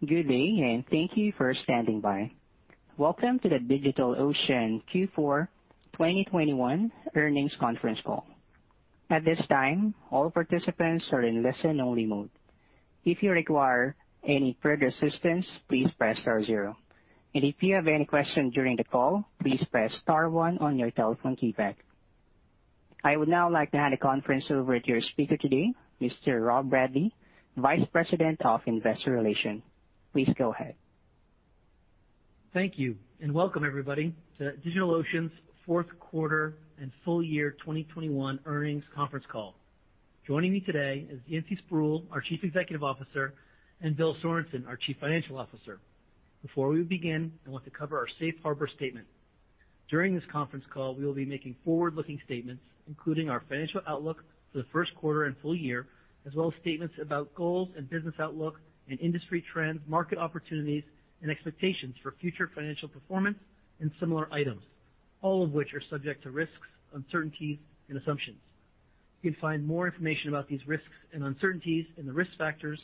Good day, and thank you for standing by. Welcome to the DigitalOcean Q4 2021 earnings conference call. At this time, all participants are in listen only mode. If you require any further assistance, please press star zero. If you have any question during the call, please press star one on your telephone keypad. I would now like to hand the conference over to your speaker today, Mr. Rob Bradley, Vice President of Investor Relations. Please go ahead. Thank you, and welcome everybody to DigitalOcean's fourth quarter and full year 2021 earnings conference call. Joining me today is Yancey Spruill, our Chief Executive Officer, and Bill Sorenson, our Chief Financial Officer. Before we begin, I want to cover our safe harbor statement. During this conference call, we will be making forward-looking statements, including our financial outlook for the first quarter and full year, as well as statements about goals and business outlook and industry trends, market opportunities, and expectations for future financial performance and similar items, all of which are subject to risks, uncertainties, and assumptions. You can find more information about these risks and uncertainties in the Risk Factors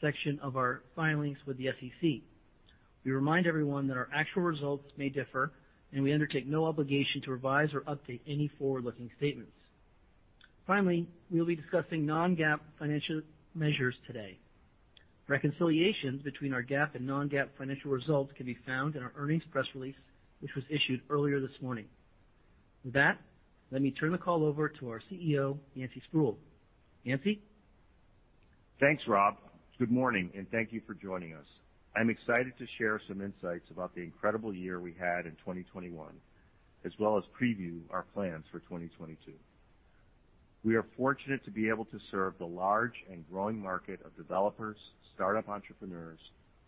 section of our filings with the SEC. We remind everyone that our actual results may differ, and we undertake no obligation to revise or update any forward-looking statements. Finally, we'll be discussing non-GAAP financial measures today. Reconciliations between our GAAP and non-GAAP financial results can be found in our earnings press release, which was issued earlier this morning. With that, let me turn the call over to our CEO, Yancey Spruill. Yancey? Thanks, Rob. Good morning, and thank you for joining us. I'm excited to share some insights about the incredible year we had in 2021, as well as preview our plans for 2022. We are fortunate to be able to serve the large and growing market of developers, startup entrepreneurs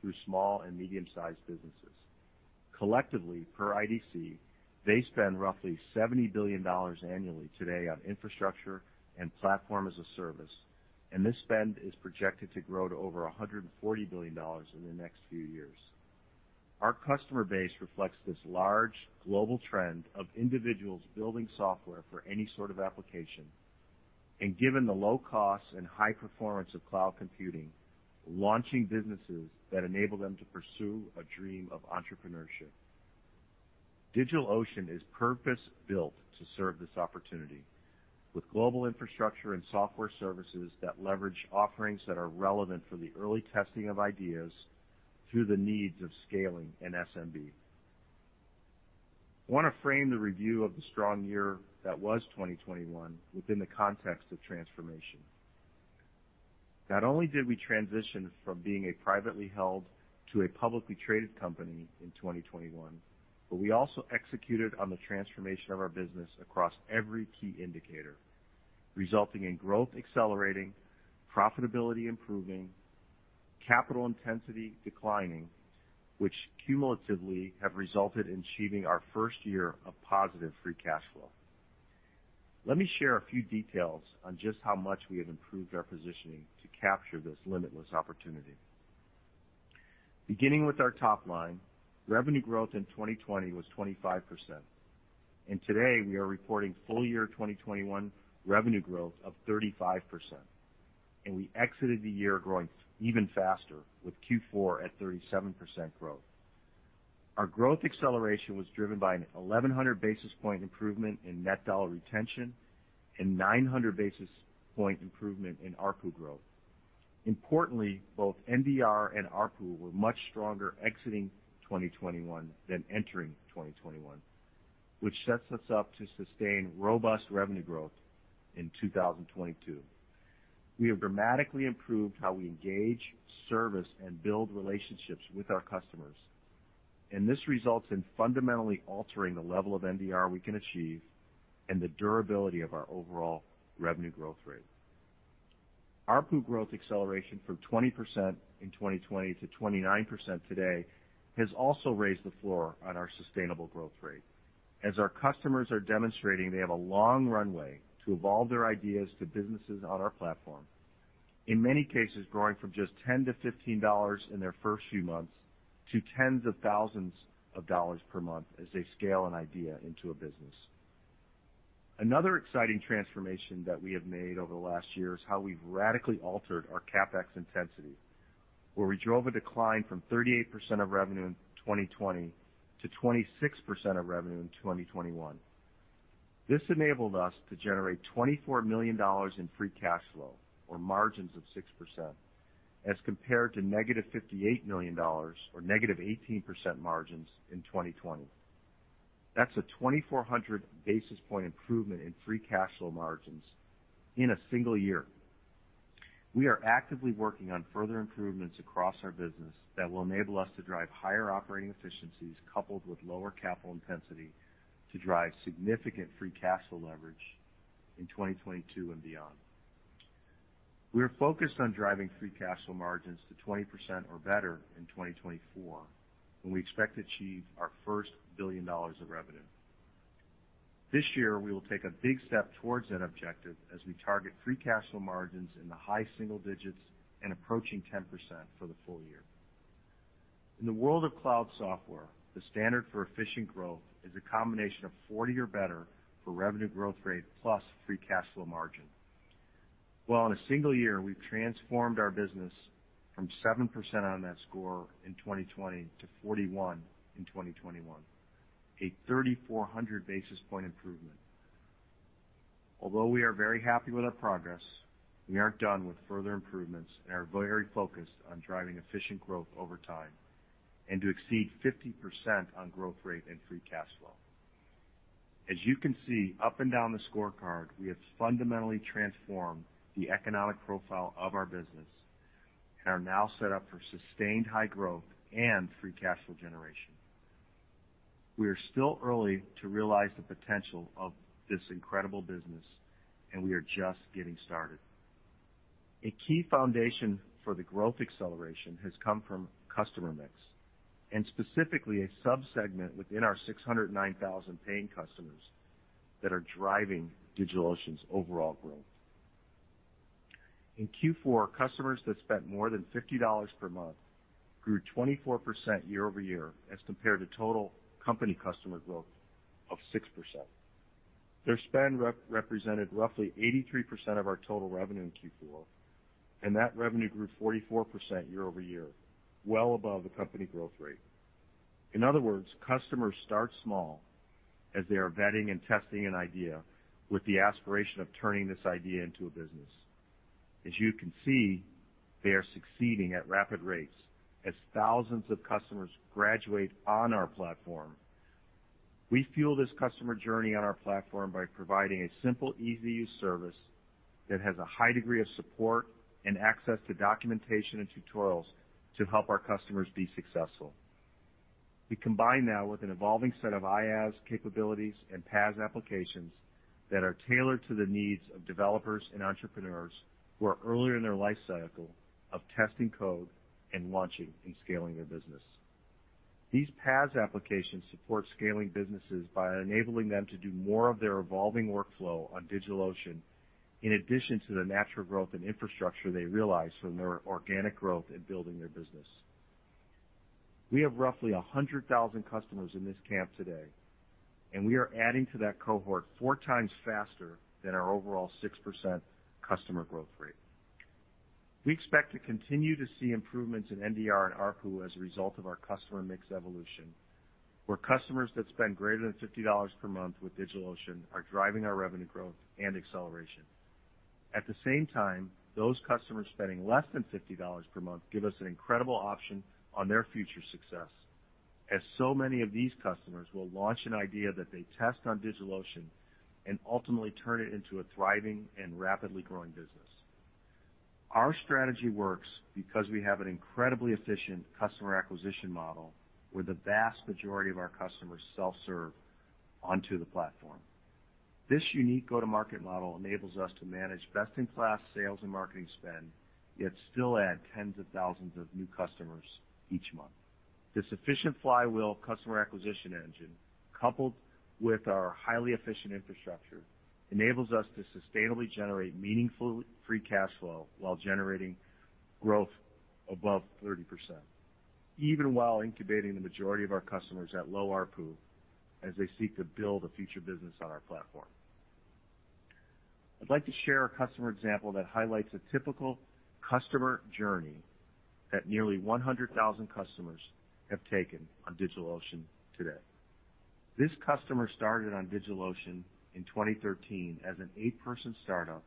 through small and medium-sized businesses. Collectively, per IDC, they spend roughly $70 billion annually today on infrastructure and platform as a service, and this spend is projected to grow to over $140 billion in the next few years. Our customer base reflects this large global trend of individuals building software for any sort of application, and given the low cost and high performance of cloud computing, launching businesses that enable them to pursue a dream of entrepreneurship. DigitalOcean is purpose-built to serve this opportunity with global infrastructure and software services that leverage offerings that are relevant for the early testing of ideas through the needs of scaling an SMB. I wanna frame the review of the strong year that was 2021 within the context of transformation. Not only did we transition from being a privately held to a publicly traded company in 2021, but we also executed on the transformation of our business across every key indicator, resulting in growth accelerating, profitability improving, capital intensity declining, which cumulatively have resulted in achieving our first year of positive free cash flow. Let me share a few details on just how much we have improved our positioning to capture this limitless opportunity. Beginning with our top line, revenue growth in 2020 was 25%, and today we are reporting full year 2021 revenue growth of 35%, and we exited the year growing even faster with Q4 at 37% growth. Our growth acceleration was driven by an 1,100 basis point improvement in net dollar retention and 900 basis point improvement in ARPU growth. Importantly, both NDR and ARPU were much stronger exiting 2021 than entering 2021, which sets us up to sustain robust revenue growth in 2022. We have dramatically improved how we engage, service, and build relationships with our customers, and this results in fundamentally altering the level of NDR we can achieve and the durability of our overall revenue growth rate. ARPU growth acceleration from 20% in 2020 to 29% today has also raised the floor on our sustainable growth rate as our customers are demonstrating they have a long runway to evolve their ideas to businesses on our platform. In many cases, growing from just $10-$15 in their first few months to tens of thousands of dollars per month as they scale an idea into a business. Another exciting transformation that we have made over the last year is how we've radically altered our CapEx intensity, where we drove a decline from 38% of revenue in 2020 to 26% of revenue in 2021. This enabled us to generate $24 million in free cash flow or margins of 6% as compared to -$58 million or -18% margins in 2020. That's a 2,400 basis point improvement in free cash flow margins in a single year. We are actively working on further improvements across our business that will enable us to drive higher operating efficiencies coupled with lower capital intensity to drive significant free cash flow leverage in 2022 and beyond. We are focused on driving free cash flow margins to 20% or better in 2024, when we expect to achieve our first $1 billion of revenue. This year, we will take a big step towards that objective as we target free cash flow margins in the high single digits and approaching 10% for the full year. In the world of cloud software, the standard for efficient growth is a combination of 40% or better for revenue growth rate plus free cash flow margin. Well, in a single year, we've transformed our business from 7% on that score in 2020 to 41 in 2021, a 3,400 basis point improvement. Although we are very happy with our progress, we aren't done with further improvements and are very focused on driving efficient growth over time and to exceed 50% on growth rate and free cash flow. As you can see up and down the scorecard, we have fundamentally transformed the economic profile of our business and are now set up for sustained high growth and free cash flow generation. We are still early to realize the potential of this incredible business, and we are just getting started. A key foundation for the growth acceleration has come from customer mix and specifically a sub-segment within our 609,000 paying customers that are driving DigitalOcean's overall growth. In Q4, customers that spent more than $50 per month grew 24% year over year as compared to total company customer growth of 6%. Their spend represented roughly 83% of our total revenue in Q4, and that revenue grew 44% year-over-year, well above the company growth rate. In other words, customers start small as they are vetting and testing an idea with the aspiration of turning this idea into a business. As you can see, they are succeeding at rapid rates as thousands of customers graduate on our platform. We fuel this customer journey on our platform by providing a simple, easy-to-use service that has a high degree of support and access to documentation and tutorials to help our customers be successful. We combine now with an evolving set of IaaS capabilities and PaaS applications that are tailored to the needs of developers and entrepreneurs who are earlier in their life cycle of testing code and launching and scaling their business. These PaaS applications support scaling businesses by enabling them to do more of their evolving workflow on DigitalOcean in addition to the natural growth and infrastructure they realize from their organic growth in building their business. We have roughly 100,000 customers in this camp today, and we are adding to that cohort four times faster than our overall 6% customer growth rate. We expect to continue to see improvements in NDR and ARPU as a result of our customer mix evolution, where customers that spend greater than $50 per month with DigitalOcean are driving our revenue growth and acceleration. At the same time, those customers spending less than $50 per month give us an incredible option on their future success, as so many of these customers will launch an idea that they test on DigitalOcean and ultimately turn it into a thriving and rapidly growing business. Our strategy works because we have an incredibly efficient customer acquisition model where the vast majority of our customers self-serve onto the platform. This unique go-to-market model enables us to manage best-in-class sales and marketing spend, yet still add tens of thousands of new customers each month. This efficient flywheel customer acquisition engine, coupled with our highly efficient infrastructure, enables us to sustainably generate meaningful free cash flow while generating growth above 30%, even while incubating the majority of our customers at low ARPU as they seek to build a future business on our platform. I'd like to share a customer example that highlights a typical customer journey that nearly 100,000 customers have taken on DigitalOcean to date. This customer started on DigitalOcean in 2013 as an eight-person startup,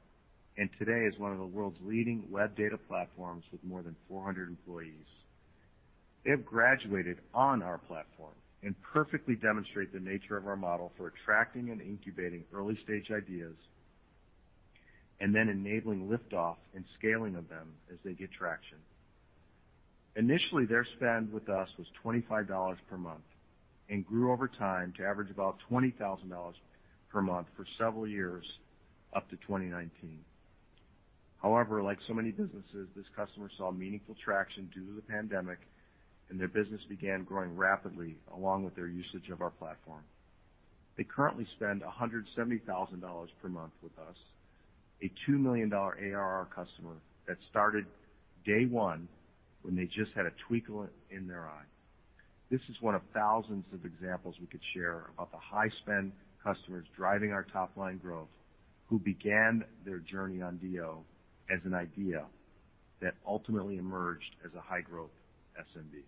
and today is one of the world's leading web data platforms with more than 400 employees. They have graduated on our platform and perfectly demonstrate the nature of our model for attracting and incubating early-stage ideas, and then enabling liftoff and scaling of them as they get traction. Initially, their spend with us was $25 per month and grew over time to average about $20,000 per month for several years up to 2019. However, like so many businesses, this customer saw meaningful traction due to the pandemic, and their business began growing rapidly along with their usage of our platform. They currently spend $170,000 per month with us, a $2 million ARR customer that started day one when they just had a twinkle in their eye. This is one of thousands of examples we could share about the high-spend customers driving our top-line growth who began their journey on DO as an idea that ultimately emerged as a high-growth SMB.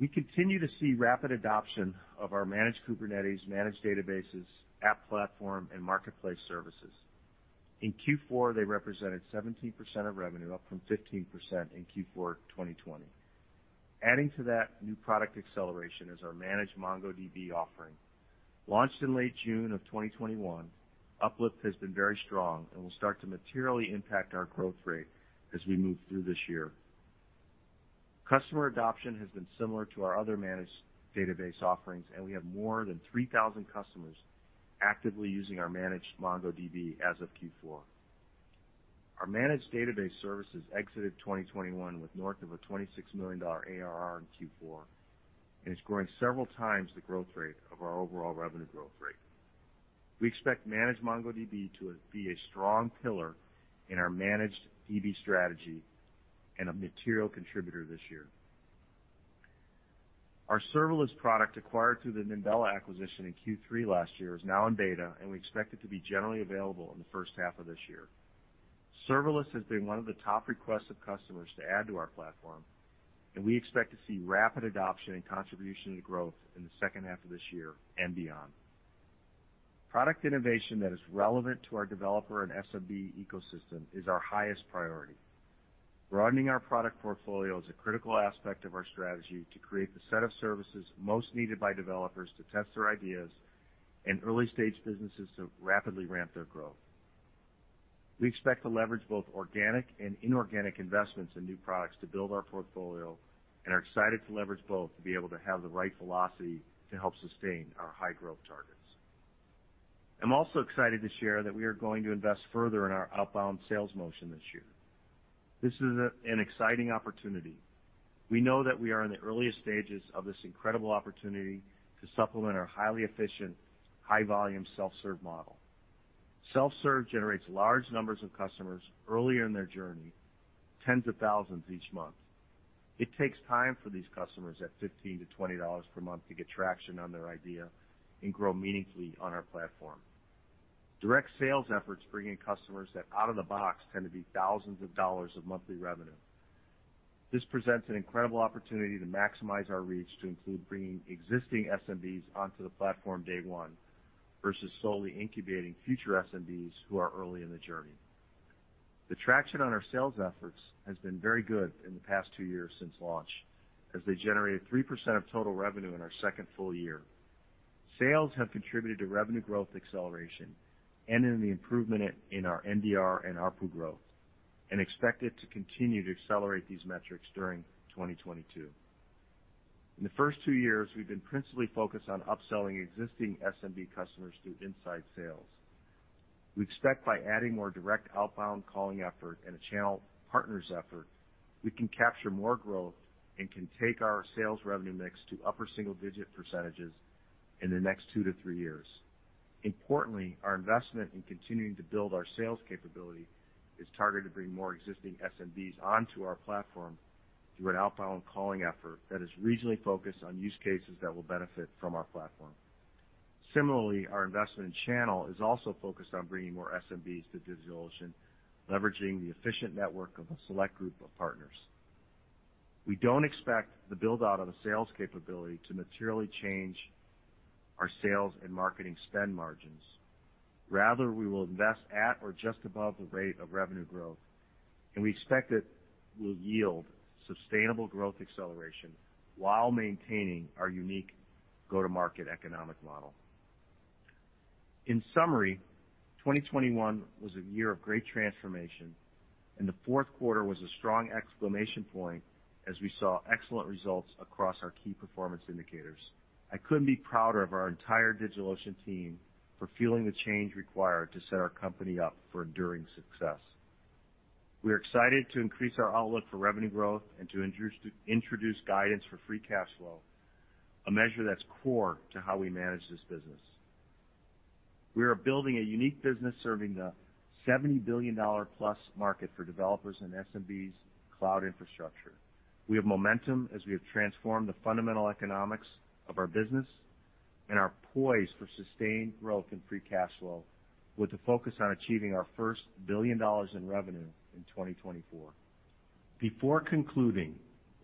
We continue to see rapid adoption of our managed Kubernetes, managed databases, App Platform, and Marketplace services. In Q4, they represented 17% of revenue, up from 15% in Q4 2020. Adding to that new product acceleration is our managed MongoDB offering. Launched in late June of 2021, uplift has been very strong and will start to materially impact our growth rate as we move through this year. Customer adoption has been similar to our other managed database offerings, and we have more than 3,000 customers actively using our managed MongoDB as of Q4. Our managed database services exited 2021 with north of $26 million ARR in Q4, and it's growing several times the growth rate of our overall revenue growth rate. We expect managed MongoDB to be a strong pillar in our managed DB strategy and a material contributor this year. Our serverless product acquired through the Nimbella acquisition in Q3 last year is now in beta, and we expect it to be generally available in the first half of this year. Serverless has been one of the top requests of customers to add to our platform, and we expect to see rapid adoption and contribution to growth in the second half of this year and beyond. Product innovation that is relevant to our developer and SMB ecosystem is our highest priority. Broadening our product portfolio is a critical aspect of our strategy to create the set of services most needed by developers to test their ideas and early-stage businesses to rapidly ramp their growth. We expect to leverage both organic and inorganic investments in new products to build our portfolio and are excited to leverage both to be able to have the right velocity to help sustain our high growth targets. I'm also excited to share that we are going to invest further in our outbound sales motion this year. This is an exciting opportunity. We know that we are in the earliest stages of this incredible opportunity to supplement our highly efficient, high-volume self-serve model. Self-serve generates large numbers of customers early in their journey, tens of thousands each month. It takes time for these customers at $15-$20 per month to get traction on their idea and grow meaningfully on our platform. Direct sales efforts bring in customers that out of the box tend to be thousands of dollars of monthly revenue. This presents an incredible opportunity to maximize our reach to include bringing existing SMBs onto the platform day one versus solely incubating future SMBs who are early in the journey. The traction on our sales efforts has been very good in the past two years since launch, as they generated 3% of total revenue in our second full year. Sales have contributed to revenue growth acceleration and in the improvement in our NDR and ARPU growth, and we expect it to continue to accelerate these metrics during 2022. In the first two years, we've been principally focused on upselling existing SMB customers through inside sales. We expect by adding more direct outbound calling effort and a channel partners effort, we can capture more growth and can take our sales revenue mix to upper single-digit percentages in the next two to three years. Importantly, our investment in continuing to build our sales capability is targeted to bring more existing SMBs onto our platform through an outbound calling effort that is regionally focused on use cases that will benefit from our platform. Similarly, our investment in channel is also focused on bringing more SMBs to DigitalOcean, leveraging the efficient network of a select group of partners. We don't expect the build-out of the sales capability to materially change our sales and marketing spend margins. Rather, we will invest at or just above the rate of revenue growth, and we expect it will yield sustainable growth acceleration while maintaining our unique go-to-market economic model. In summary, 2021 was a year of great transformation, and the fourth quarter was a strong exclamation point as we saw excellent results across our key performance indicators. I couldn't be prouder of our entire DigitalOcean team for fueling the change required to set our company up for enduring success. We are excited to increase our outlook for revenue growth and to introduce guidance for free cash flow, a measure that's core to how we manage this business. We are building a unique business serving the $70 billion-plus market for developers and SMBs cloud infrastructure. We have momentum as we have transformed the fundamental economics of our business and are poised for sustained growth in free cash flow with a focus on achieving our first $1 billion in revenue in 2024. Before concluding,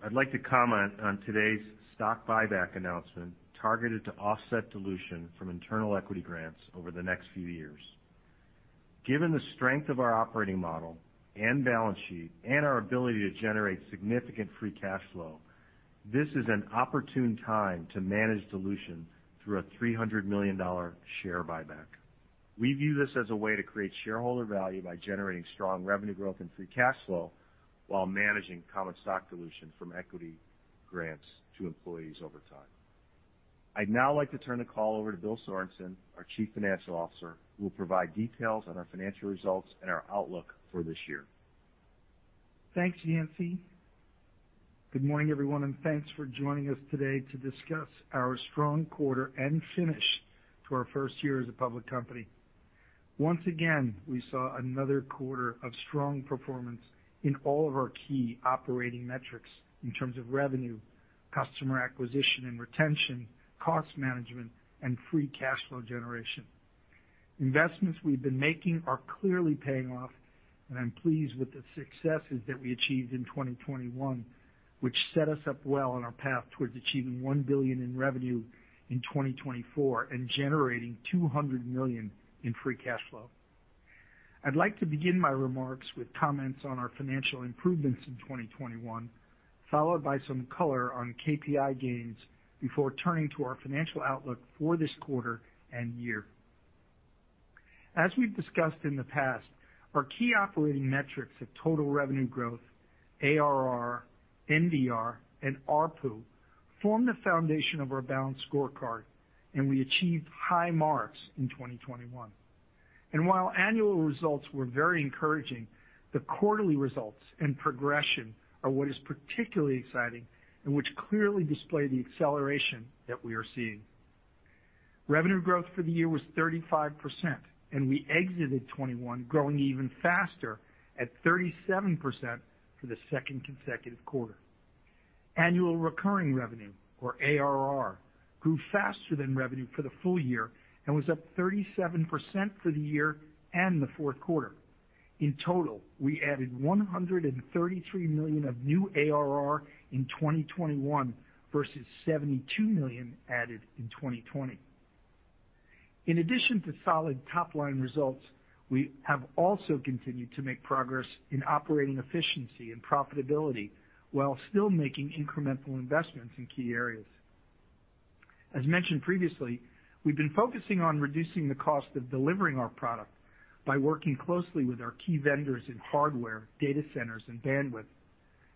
I'd like to comment on today's stock buyback announcement targeted to offset dilution from internal equity grants over the next few years. Given the strength of our operating model and balance sheet and our ability to generate significant free cash flow, this is an opportune time to manage dilution through a $300 million share buyback. We view this as a way to create shareholder value by generating strong revenue growth and free cash flow while managing common stock dilution from equity grants to employees over time. I'd now like to turn the call over to Bill Sorenson, our Chief Financial Officer, who will provide details on our financial results and our outlook for this year. Thanks, Yancey. Good morning, everyone, and thanks for joining us today to discuss our strong quarter and finish to our first year as a public company. Once again, we saw another quarter of strong performance in all of our key operating metrics in terms of revenue, customer acquisition and retention, cost management, and free cash flow generation. Investments we've been making are clearly paying off, and I'm pleased with the successes that we achieved in 2021, which set us up well on our path towards achieving $1 billion in revenue in 2024 and generating $200 million in free cash flow. I'd like to begin my remarks with comments on our financial improvements in 2021, followed by some color on KPI gains before turning to our financial outlook for this quarter and year. As we've discussed in the past, our key operating metrics of total revenue growth, ARR, NRR, and ARPU form the foundation of our balanced scorecard, and we achieved high marks in 2021. While annual results were very encouraging, the quarterly results and progression are what is particularly exciting and which clearly display the acceleration that we are seeing. Revenue growth for the year was 35%, and we exited 2021 growing even faster at 37% for the second consecutive quarter. Annual recurring revenue, or ARR, grew faster than revenue for the full year and was up 37% for the year and the fourth quarter. In total, we added $133 million of new ARR in 2021 versus $72 million added in 2020. In addition to solid top-line results, we have also continued to make progress in operating efficiency and profitability while still making incremental investments in key areas. As mentioned previously, we've been focusing on reducing the cost of delivering our product by working closely with our key vendors in hardware, data centers, and bandwidth.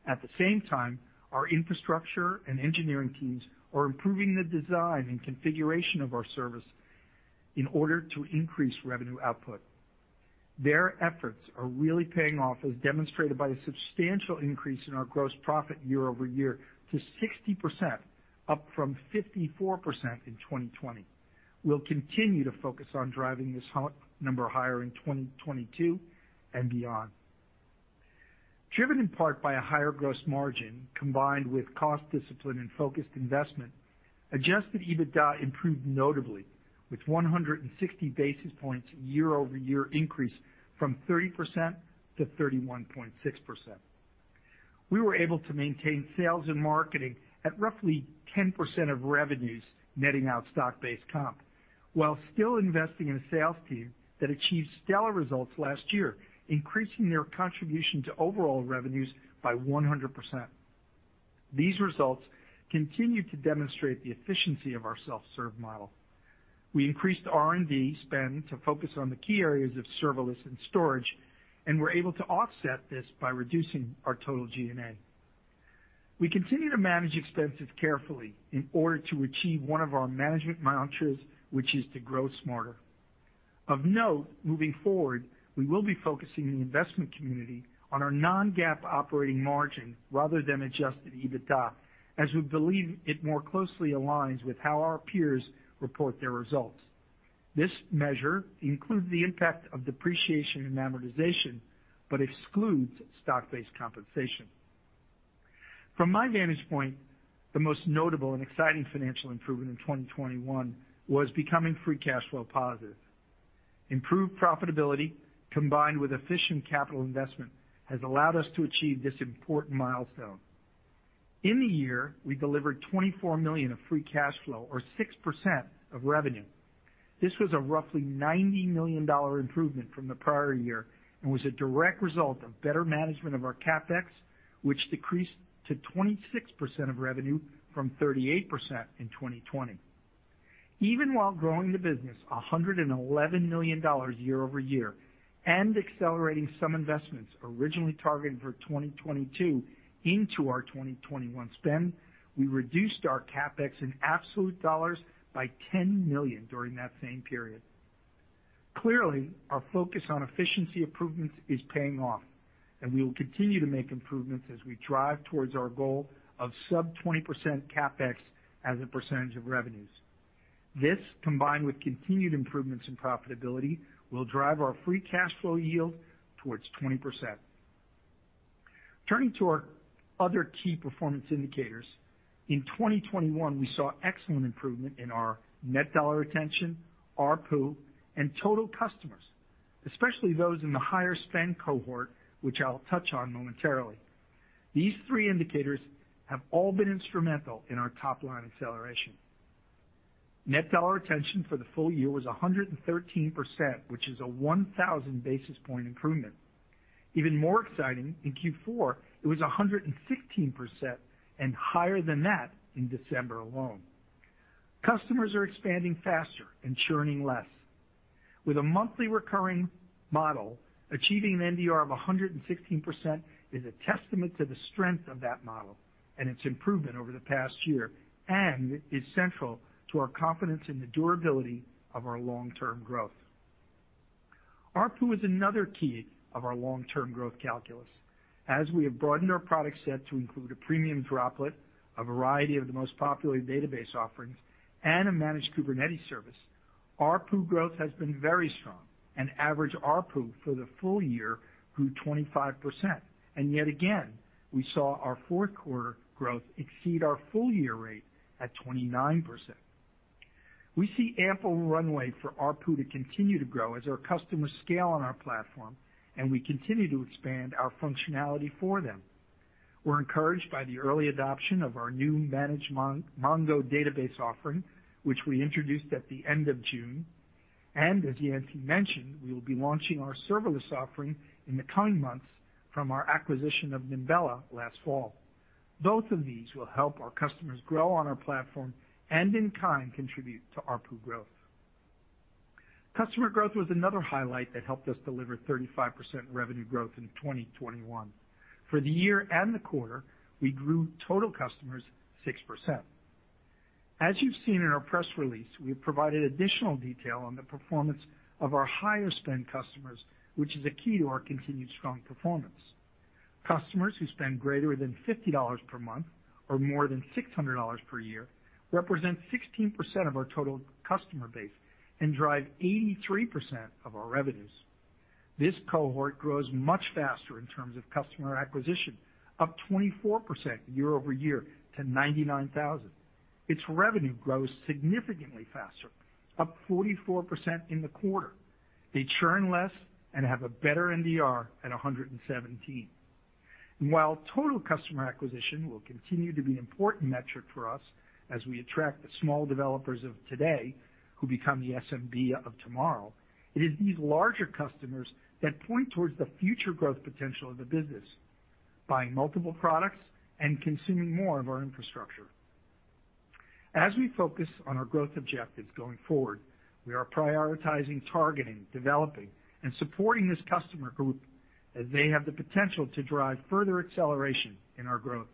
At the same time, our infrastructure and engineering teams are improving the design and configuration of our service in order to increase revenue output. Their efforts are really paying off, as demonstrated by the substantial increase in our gross profit year over year to 60%, up from 54% in 2020. We'll continue to focus on driving this number higher in 2022 and beyond. Driven in part by a higher gross margin combined with cost discipline and focused investment, adjusted EBITDA improved notably with 160 basis points year-over-year increase from 30% to 31.6%. We were able to maintain sales and marketing at roughly 10% of revenues, netting out stock-based comp, while still investing in a sales team that achieved stellar results last year, increasing their contribution to overall revenues by 100%. These results continue to demonstrate the efficiency of our self-serve model. We increased R&D spend to focus on the key areas of serverless and storage, and we're able to offset this by reducing our total G&A. We continue to manage expenses carefully in order to achieve one of our management mantras, which is to grow smarter. Of note, moving forward, we will be focusing the investment community on our non-GAAP operating margin rather than adjusted EBITDA, as we believe it more closely aligns with how our peers report their results. This measure includes the impact of depreciation and amortization, but excludes stock-based compensation. From my vantage point, the most notable and exciting financial improvement in 2021 was becoming free cash flow positive. Improved profitability combined with efficient capital investment has allowed us to achieve this important milestone. In the year, we delivered $24 million of free cash flow or 6% of revenue. This was a roughly $90 million improvement from the prior year and was a direct result of better management of our CapEx, which decreased to 26% of revenue from 38% in 2020. Even while growing the business $111 million year-over-year and accelerating some investments originally targeted for 2022 into our 2021 spend, we reduced our CapEx in absolute dollars by $10 million during that same period. Clearly, our focus on efficiency improvements is paying off, and we will continue to make improvements as we drive towards our goal of sub-20% CapEx as a percentage of revenues. This, combined with continued improvements in profitability, will drive our free cash flow yield towards 20%. Turning to our other key performance indicators. In 2021, we saw excellent improvement in our net dollar retention, ARPU, and total customers, especially those in the higher spend cohort, which I'll touch on momentarily. These three indicators have all been instrumental in our top-line acceleration. Net dollar retention for the full year was 113%, which is a 1,000 basis points improvement. Even more exciting, in Q4, it was 115% and higher than that in December alone. Customers are expanding faster and churning less. With a monthly recurring model, achieving an NDR of 116% is a testament to the strength of that model and its improvement over the past year, and is central to our confidence in the durability of our long-term growth. ARPU is another key of our long-term growth calculus. As we have broadened our product set to include a Premium Droplet, a variety of the most popular database offerings, and a managed Kubernetes service, ARPU growth has been very strong and average ARPU for the full year grew 25%. Yet again, we saw our fourth quarter growth exceed our full year rate at 29%. We see ample runway for ARPU to continue to grow as our customers scale on our platform and we continue to expand our functionality for them. We're encouraged by the early adoption of our new managed Mongo database offering, which we introduced at the end of June. As Yancey mentioned, we will be launching our serverless offering in the coming months from our acquisition of Nimbella last fall. Both of these will help our customers grow on our platform and in kind contribute to ARPU growth. Customer growth was another highlight that helped us deliver 35% revenue growth in 2021. For the year and the quarter, we grew total customers 6%. As you've seen in our press release, we've provided additional detail on the performance of our higher spend customers, which is a key to our continued strong performance. Customers who spend greater than $50 per month or more than $600 per year represent 16% of our total customer base and drive 83% of our revenues. This cohort grows much faster in terms of customer acquisition, up 24% year over year to 99,000. Its revenue grows significantly faster, up 44% in the quarter. They churn less and have a better NDR at 117. While total customer acquisition will continue to be an important metric for us as we attract the small developers of today who become the SMB of tomorrow, it is these larger customers that point towards the future growth potential of the business, buying multiple products and consuming more of our infrastructure. As we focus on our growth objectives going forward, we are prioritizing, targeting, developing, and supporting this customer group as they have the potential to drive further acceleration in our growth.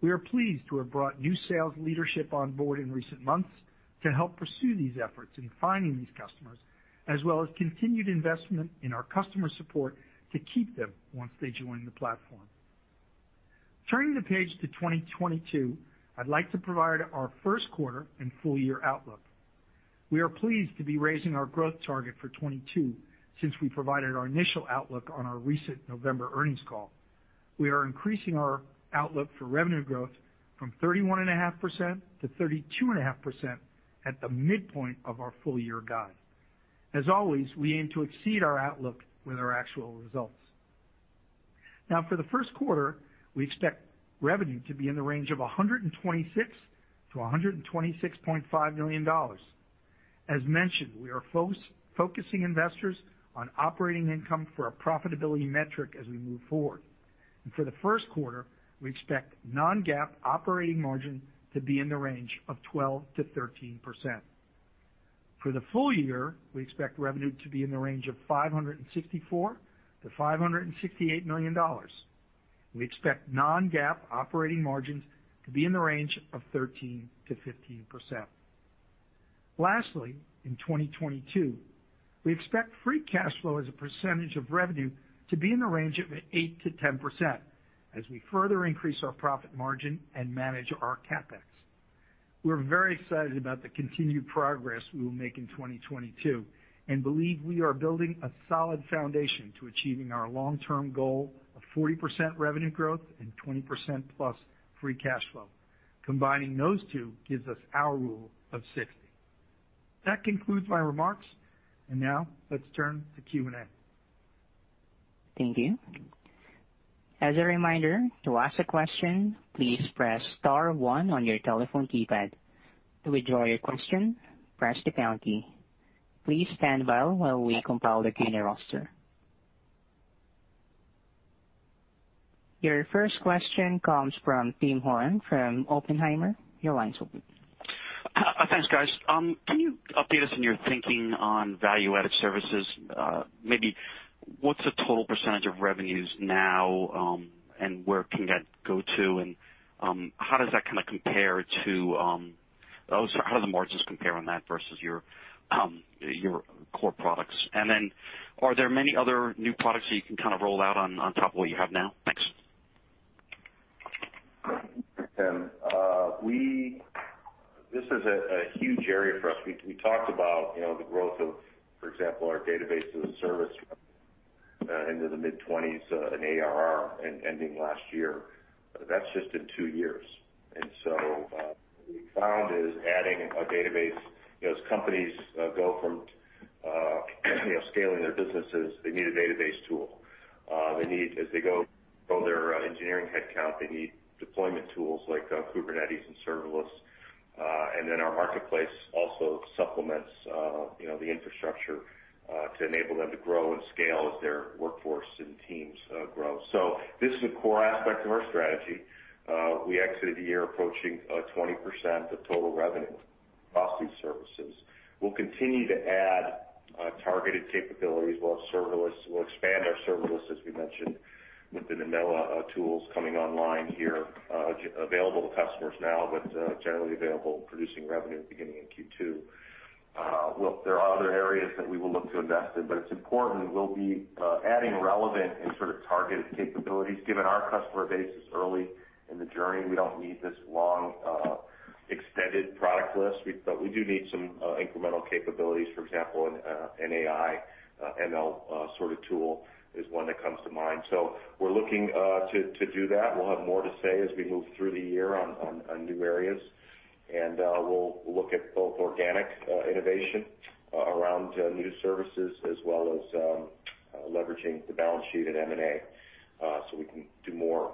We are pleased to have brought new sales leadership on board in recent months to help pursue these efforts in finding these customers, as well as continued investment in our customer support to keep them once they join the platform. Turning the page to 2022, I'd like to provide our first quarter and full year outlook. We are pleased to be raising our growth target for 2022 since we provided our initial outlook on our recent November earnings call. We are increasing our outlook for revenue growth from 31.5% to 32.5% at the midpoint of our full year guide. As always, we aim to exceed our outlook with our actual results. Now, for the first quarter, we expect revenue to be in the range of $126 million-$126.5 million. As mentioned, we are focusing investors on operating income for our profitability metric as we move forward. For the first quarter, we expect non-GAAP operating margin to be in the range of 12%-13%. For the full year, we expect revenue to be in the range of $564 million-$568 million. We expect non-GAAP operating margins to be in the range of 13%-15%. Lastly, in 2022, we expect free cash flow as a percentage of revenue to be in the range of 8%-10% as we further increase our profit margin and manage our CapEx. We're very excited about the continued progress we will make in 2022 and believe we are building a solid foundation to achieving our long-term goal of 40% revenue growth and 20%+ free cash flow. Combining those two gives us our Rule of 60. That concludes my remarks. Now, let's turn to Q&A. Thank you. As a reminder, to ask a question, please press star one on your telephone keypad. To withdraw your question, press the pound key. Please stand by while we compile the Q&A roster. Your first question comes from Tim Horan from Oppenheimer. Your line's open. Thanks, guys. Can you update us on your thinking on value-added services? Maybe what's the total percentage of revenues now, and where can that go to? How do the margins compare on that versus your core products? Then are there many other new products that you can kind of roll out on top of what you have now? Thanks. Tim, this is a huge area for us. We talked about, you know, the growth of, for example, our database as a service into the mid-twenties in ARR ending last year. That's just in two years. What we found is adding a database, you know, as companies go from, you know, scaling their businesses, they need a database tool. They need, as they go build their engineering headcount, they need deployment tools like Kubernetes and serverless. Our Marketplace also supplements, you know, the infrastructure to enable them to grow and scale as their workforce and teams grow. This is a core aspect of our strategy. We exited the year approaching 20% of total revenue across these services. We'll continue to add targeted capabilities while serverless. We'll expand our serverless, as we mentioned, with the Nimbella tools coming online here, available to customers now, but generally available producing revenue beginning in Q2. Look, there are other areas that we will look to invest in, but it's important we'll be adding relevant and sort of targeted capabilities. Given our customer base is early in the journey, we don't need this long extended product list. But we do need some incremental capabilities. For example, an AI, ML sort of tool is one that comes to mind. We're looking to do that. We'll have more to say as we move through the year on new areas. We'll look at both organic innovation around new services as well as leveraging the balance sheet for M&A, so we can do more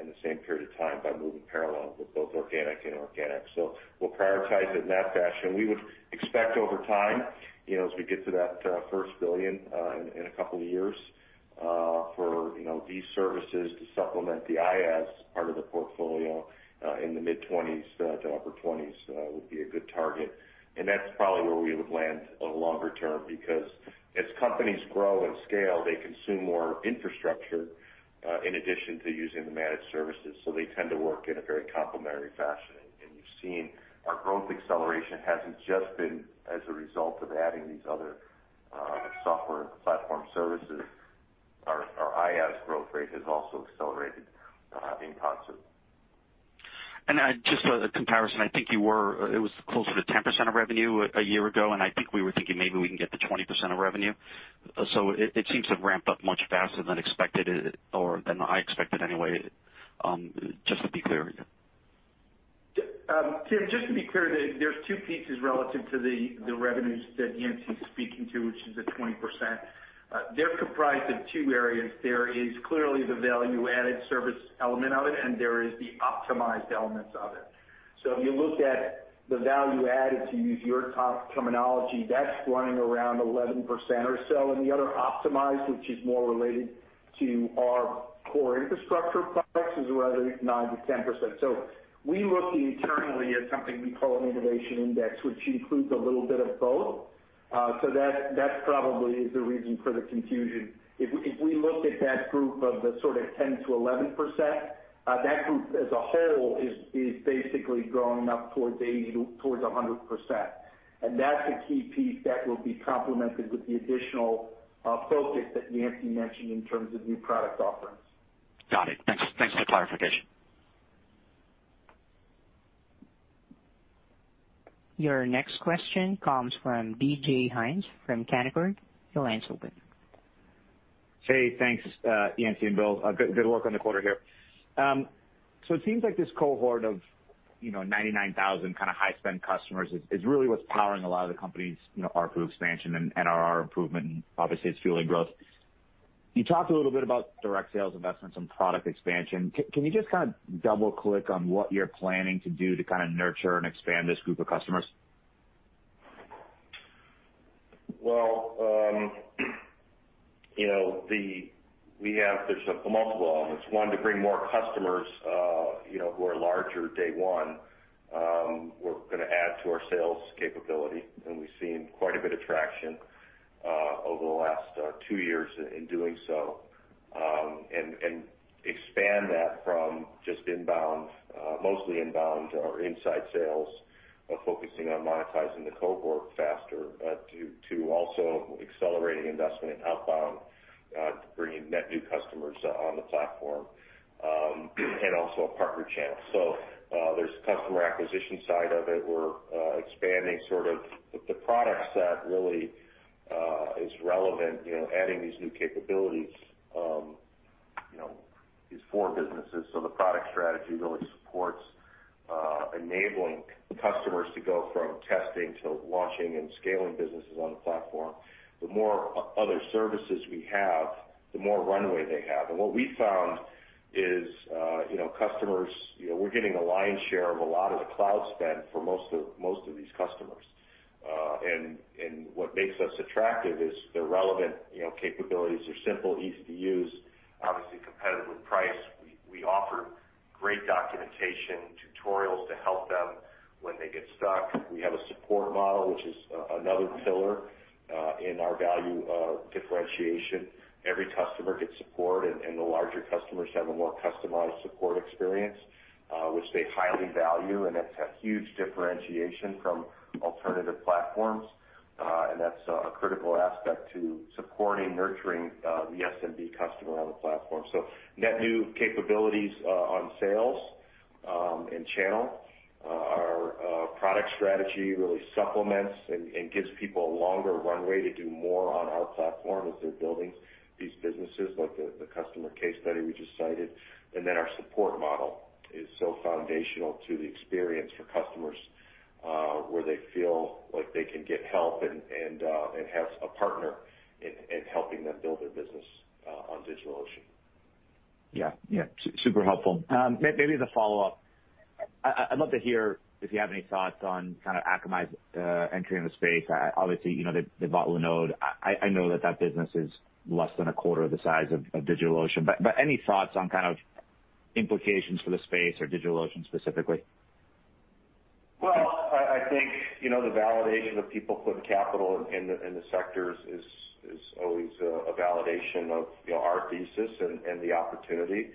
in the same period of time by moving parallel with both organic and inorganic. We'll prioritize it in that fashion. We would expect over time, you know, as we get to that first $1 billion in a couple of years, you know, for these services to supplement the IaaS part of the portfolio in the mid-20s% to upper 20s%, would be a good target. That's probably where we would land on longer term because as companies grow and scale, they consume more infrastructure in addition to using the managed services, so they tend to work in a very complementary fashion. Seeing our growth acceleration hasn't just been as a result of adding these other, software platform services. Our IaaS growth rate has also accelerated, in concert. Just a comparison, I think it was closer to 10% of revenue a year ago, and I think we were thinking maybe we can get to 20% of revenue. It seems to have ramped up much faster than expected or than I expected anyway. Just to be clear. Yeah. Tim, just to be clear, there's two pieces relative to the revenues that Yancey's speaking to, which is the 20%. They're comprised of two areas. There is clearly the value-added service element of it, and there is the optimized elements of it. If you look at the value added, to use your top terminology, that's running around 11% or so, and the other optimized, which is more related to our core infrastructure products, is right at 9%-10%. We look internally at something we call an innovation index, which includes a little bit of both. That probably is the reason for the confusion. If we look at that group of the sort of 10%-11%, that group as a whole is basically growing up towards 100%. That's a key piece that will be complemented with the additional focus that Yancey mentioned in terms of new product offerings. Got it. Thanks. Thanks for the clarification. Your next question comes from DJ Hynes from Canaccord. Your line's open. Hey, thanks, Yancey and Bill. Good work on the quarter here. It seems like this cohort of, you know, 99,000 kind of high spend customers is really what's powering a lot of the company's, you know, ARPU expansion and NRR improvement, and obviously it's fueling growth. You talked a little bit about direct sales investments and product expansion. Can you just kind of double click on what you're planning to do to kind of nurture and expand this group of customers? Well, you know, there's multiple elements. One, to bring more customers, you know, who are larger day one, we're gonna add to our sales capability, and we've seen quite a bit of traction over the last two years in doing so, and expand that from just inbound, mostly inbound or inside sales, focusing on monetizing the cohort faster, to also accelerating investment in outbound, to bringing net new customers on the platform, and also a partner channel. So, there's customer acquisition side of it. We're expanding sort of the product set really is relevant, you know, adding these new capabilities, you know, these four businesses. So the product strategy really supports enabling customers to go from testing to launching and scaling businesses on the platform. The more other services we have, the more runway they have. What we found is, you know, customers, you know, we're getting a lion's share of a lot of the cloud spend for most of these customers. What makes us attractive is the relevant, you know, capabilities are simple, easy to use, obviously competitively priced. We offer great documentation, tutorials to help them when they get stuck. We have a support model, which is another pillar in our value of differentiation. Every customer gets support, and the larger customers have a more customized support experience, which they highly value, and it's a huge differentiation from alternative platforms. That's a critical aspect to supporting, nurturing the SMB customer on the platform. Net new capabilities on sales and channel. Our product strategy really supplements and gives people a longer runway to do more on our platform as they're building these businesses like the customer case study we just cited. Our support model is so foundational to the experience for customers, where they feel like they can get help and have a partner in helping them build their business on DigitalOcean. Super helpful. Maybe as a follow-up, I'd love to hear if you have any thoughts on kind of Akamai's entry in the space. Obviously, you know, they bought Linode. I know that business is less than a quarter of the size of DigitalOcean. But any thoughts on kind of implications for the space or DigitalOcean specifically? Well, I think, you know, the validation of people putting capital in the sectors is always a validation of, you know, our thesis and the opportunity.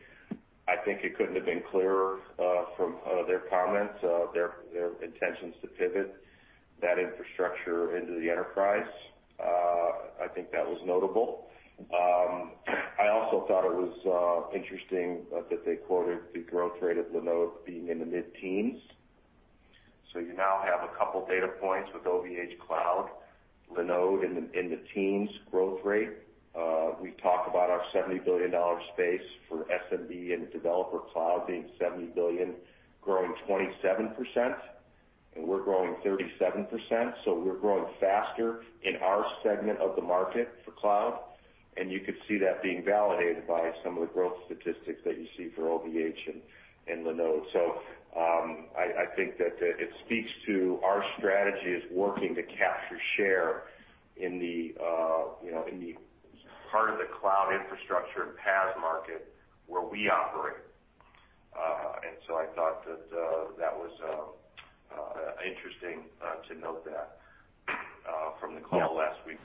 I think it couldn't have been clearer from their comments, their intentions to pivot that infrastructure into the enterprise. I also thought it was interesting that they quoted the growth rate of Linode being in the mid-teens. So you now have a couple data points with OVHcloud, Linode in the teens growth rate. We talk about our $70 billion space for SMB and developer cloud being $70 billion, growing 27%, and we're growing 37%. So we're growing faster in our segment of the market for cloud. You could see that being validated by some of the growth statistics that you see for OVH and Linode. I think that it speaks to our strategy is working to capture share in the you know in the part of the cloud infrastructure and PaaS market where we operate. I thought that that was interesting to note that from the call last week.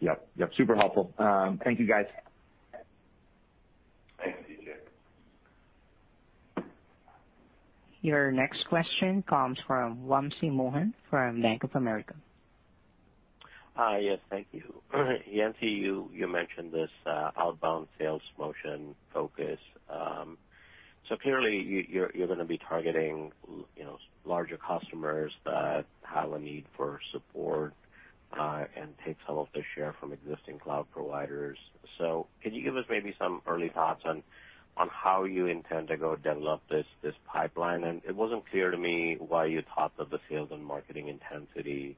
Yep. Super helpful. Thank you, guys. Thanks, DJ. Your next question comes from Wamsi Mohan from Bank of America. Hi. Yes, thank you. Yancey, you mentioned this outbound sales motion focus. Clearly you're gonna be targeting larger customers that have a need for support and take some of the share from existing cloud providers. Could you give us maybe some early thoughts on how you intend to go develop this pipeline? It wasn't clear to me why you thought that the sales and marketing intensity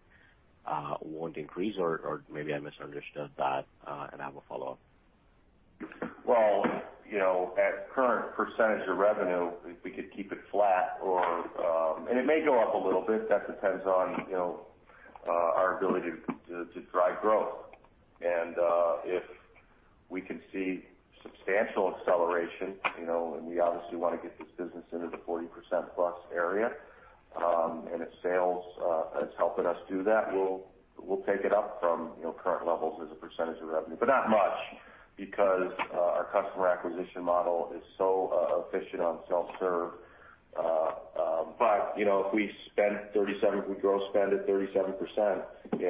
won't increase or maybe I misunderstood that, and I have a follow-up. Well, you know, at current percentage of revenue, if we could keep it flat or and it may go up a little bit, that depends on, you know, our ability to drive growth. If we can see substantial acceleration, you know, and we obviously wanna get this business into the 40% plus area, and if sales is helping us do that, we'll take it up from, you know, current levels as a percentage of revenue. Not much because our customer acquisition model is so efficient on self-serve. You know, if we spend 37%—we grow spend at 37%, you know,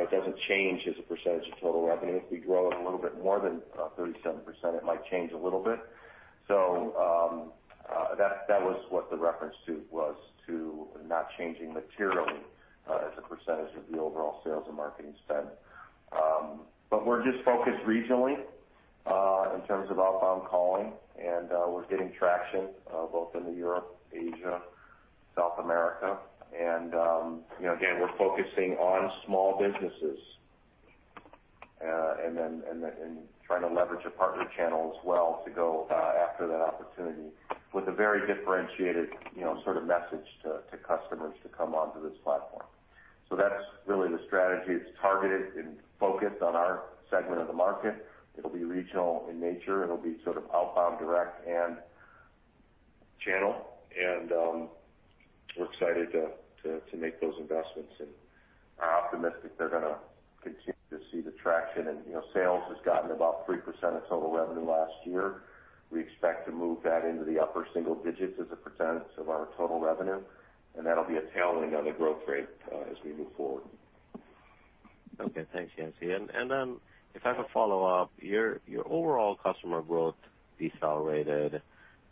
it doesn't change as a percentage of total revenue. If we grow it a little bit more than 37%, it might change a little bit. That was what the reference to was to not changing materially as a percentage of the overall sales and marketing spend. We're just focused regionally in terms of outbound calling, and we're getting traction both in Europe, Asia, South America. You know, again, we're focusing on small businesses and trying to leverage a partner channel as well to go after that opportunity with a very differentiated, you know, sort of message to customers to come onto this platform. That's really the strategy. It's targeted and focused on our segment of the market. It'll be regional in nature, and it'll be sort of outbound, direct and channel. We're excited to make those investments, and are optimistic they're gonna continue to see the traction. You know, sales has gotten about 3% of total revenue last year. We expect to move that into the upper single digits as a percentage of our total revenue, and that'll be a tailwind on the growth rate as we move forward. Okay. Thanks, Yancey. Then if I have a follow-up, your overall customer growth decelerated.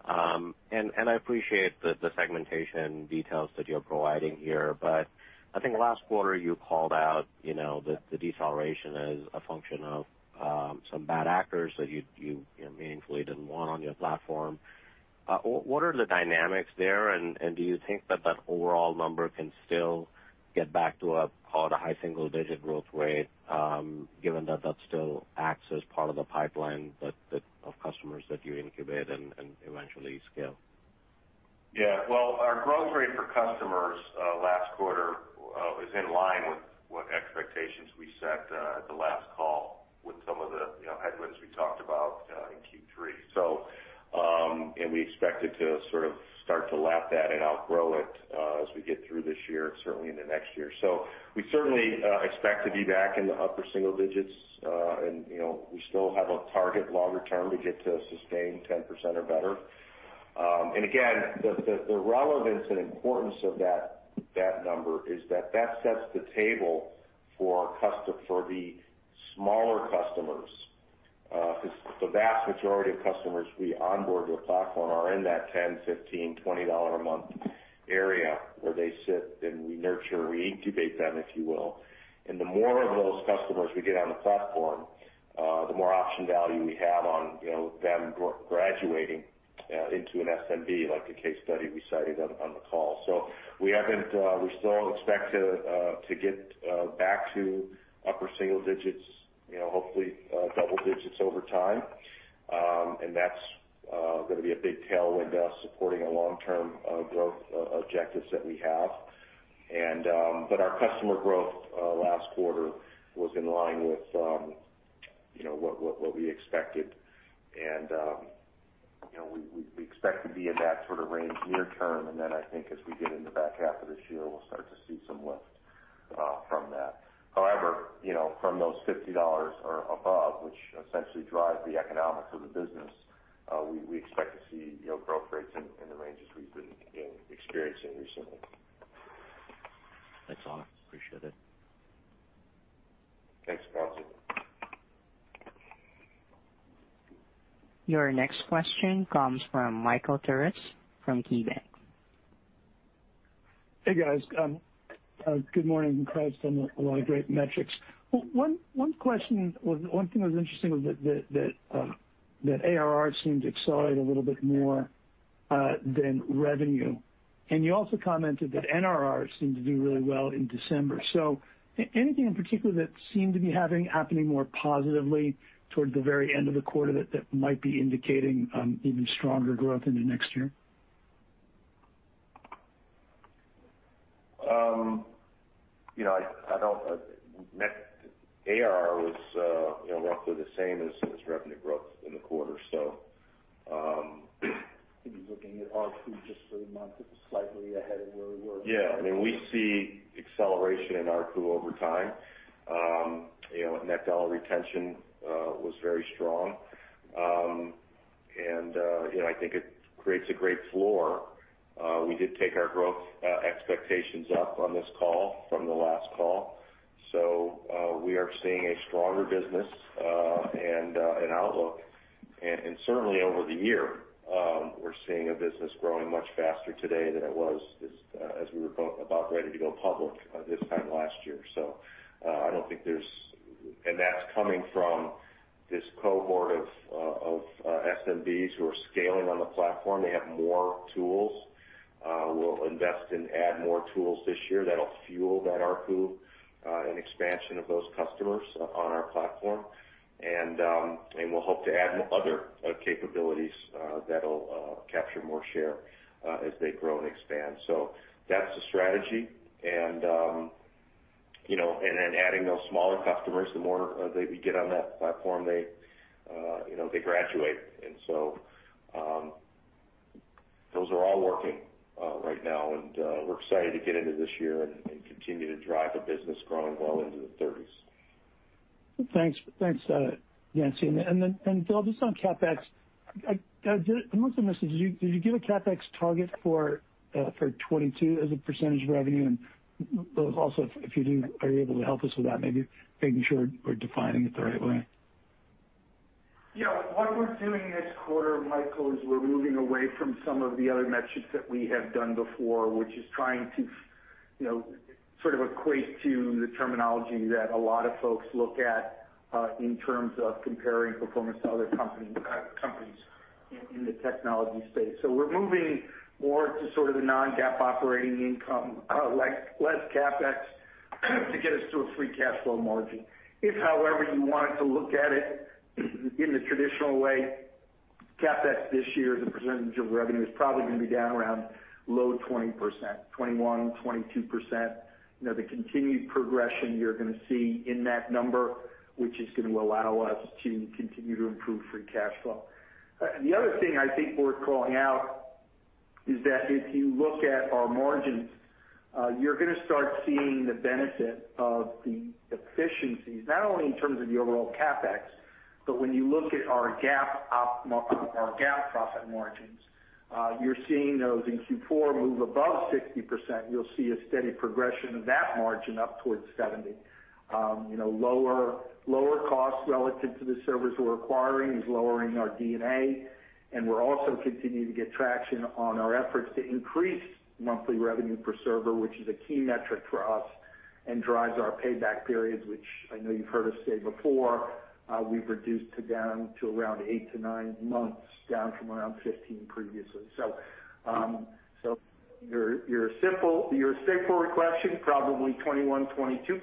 I appreciate the segmentation details that you're providing here. I think last quarter you called out, you know, the deceleration as a function of some bad actors that you know, meaningfully didn't want on your platform. What are the dynamics there, and do you think that overall number can still get back to, call it, a high single-digit growth rate, given that that still acts as part of the pipeline that of customers that you incubate and eventually scale? Yeah. Well, our growth rate for customers last quarter was in line with what expectations we set at the last call with some of the, you know, headwinds we talked about in Q3. We expect it to sort of start to lap that and outgrow it as we get through this year, certainly into next year. We certainly expect to be back in the upper single digits. You know, we still have a target longer term to get to a sustained 10% or better. Again, the relevance and importance of that number is that that sets the table for the smaller customers. 'Cause the vast majority of customers we onboard to the platform are in that $10, $15, $20 a month area where they sit, and we nurture and we incubate them, if you will. The more of those customers we get on the platform, the more option value we have on, you know, them graduating into an SMB, like the case study we cited on the call. We haven't, we still expect to get back to upper single digits, you know, hopefully double digits over time. That's gonna be a big tailwind to us supporting our long-term growth objectives that we have. Our customer growth last quarter was in line with what we expected. You know, we expect to be in that sort of range near term, and then I think as we get in the back half of this year, we'll start to see some lift from that. However, you know, from those $50 or above, which essentially drive the economics of the business, we expect to see, you know, growth rates in the ranges we've been experiencing recently. That's all. I appreciate it. Thanks, Wamsi. Your next question comes from Michael Turits from KeyBanc. Hey, guys. Good morning. Congrats on a lot of great metrics. One thing that was interesting was that ARR seemed to accelerate a little bit more than revenue. You also commented that NRR seemed to do really well in December. Anything in particular that seemed to be happening more positively towards the very end of the quarter that might be indicating even stronger growth into next year? ARR was, you know, roughly the same as revenue growth in the quarter. If you're looking at ARPU just for the month, it was slightly ahead of where we were. Yeah. I mean, we see acceleration in ARPU over time. You know, net dollar retention was very strong. You know, I think it creates a great floor. We did take our growth expectations up on this call from the last call. We are seeing a stronger business and an outlook. Certainly over the year, we're seeing a business growing much faster today than it was as we were about ready to go public this time last year. I don't think there's. That's coming from this cohort of SMBs who are scaling on the platform. They have more tools. We'll invest and add more tools this year that'll fuel that ARPU and expansion of those customers on our platform. We'll hope to add other capabilities that'll capture more share as they grow and expand. That's the strategy. You know, and then adding those smaller customers, the more they get on that platform, they, you know, they graduate. Those are all working right now, and we're excited to get into this year and continue to drive the business growing well into the thirties. Thanks. Thanks, Yancey. Bill, just on CapEx, I must have missed it. Did you give a CapEx target for 2022 as a percentage of revenue? Bill, also if you didn't, are you able to help us with that, maybe making sure we're defining it the right way? Yeah. What we're doing this quarter, Michael, is we're moving away from some of the other metrics that we have done before, which is trying to, you know, sort of equate to the terminology that a lot of folks look at, in terms of comparing performance to other companies in the technology space. We're moving more to sort of the non-GAAP operating income, like less CapEx to get us to a free cash flow margin. If, however, you wanted to look at it in the traditional way, CapEx this year as a percentage of revenue is probably gonna be down around low 20%, 21, 22%. You know, the continued progression you're gonna see in that number, which is gonna allow us to continue to improve free cash flow. The other thing I think worth calling out is that if you look at our margins, you're gonna start seeing the benefit of the efficiencies, not only in terms of the overall CapEx, but when you look at our GAAP profit margins, you're seeing those in Q4 move above 60%. You'll see a steady progression of that margin up towards 70%. You know, lower costs relative to the servers we're acquiring is lowering our D&A. We're also continuing to get traction on our efforts to increase monthly revenue per server, which is a key metric for us and drives our payback periods, which I know you've heard us say before, we've reduced to down to around eight to nine months, down from around 15 previously. Your straightforward question, probably 21%-22%,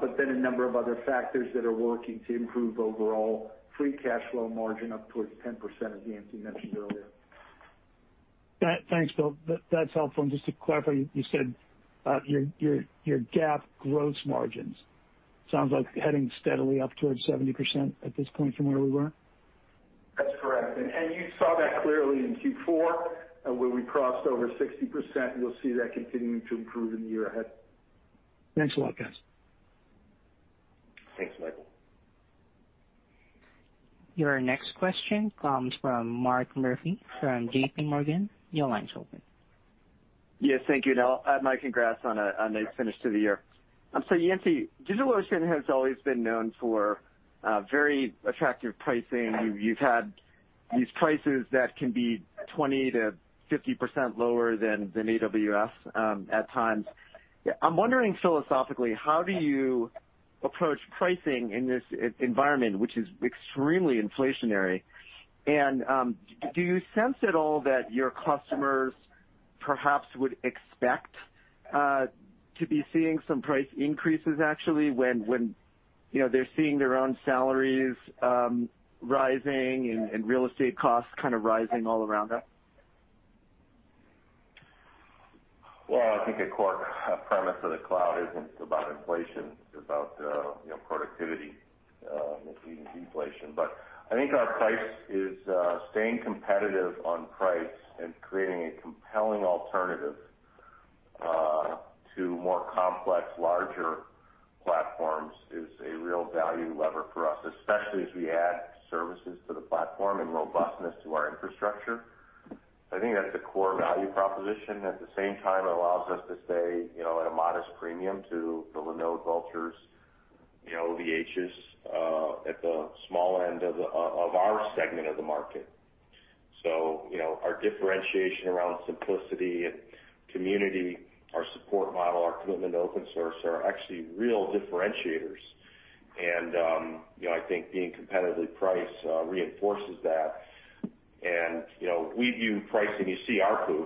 but then a number of other factors that are working to improve overall free cash flow margin up towards 10%, as Yancey mentioned earlier. Thanks, Bill. That's helpful. Just to clarify, you said your GAAP gross margins sounds like heading steadily up towards 70% at this point from where we were? That's correct. You saw that clearly in Q4, where we crossed over 60%. You'll see that continuing to improve in the year ahead. Thanks a lot, guys. Thanks, Michael. Your next question comes from Mark Murphy from JPMorgan. Your line's open. Yes. Thank you. I'll add my congrats on a finish to the year. Yancey, DigitalOcean has always been known for very attractive pricing. You've had these prices that can be 20%-50% lower than AWS at times. I'm wondering philosophically, how do you approach pricing in this environment which is extremely inflationary? Do you sense at all that your customers perhaps would expect to be seeing some price increases actually, when you know, they're seeing their own salaries rising and real estate costs kind of rising all around us? Well, I think a core premise of the cloud isn't about inflation. It's about, you know, productivity, maybe even deflation. I think our price is staying competitive on price and creating a compelling alternative to more complex, larger platforms is a real value lever for us, especially as we add services to the platform and robustness to our infrastructure. I think that's a core value proposition. At the same time, it allows us to stay, you know, at a modest premium to the Linode, Vultr, you know, the OVH, at the small end of our segment of the market. You know, our differentiation around simplicity and community, our support model, our commitment to open source are actually real differentiators. You know, I think being competitively priced reinforces that. You know, we view pricing. You see ARPU